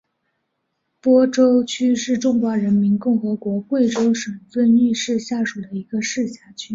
播州区是中华人民共和国贵州省遵义市下属的一个市辖区。